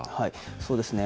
そうですね。